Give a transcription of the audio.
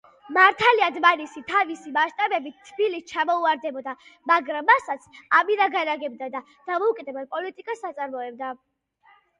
მართალია, დმანისი თავისი მასშტაბებით თბილისს ჩამოუვარდებოდა, მაგრამ მასაც ამირა განაგებდა და დამოუკიდებელ პოლიტიკას აწარმოებდა.